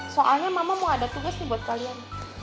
soalnya mama mau ada tugas nih buat kalian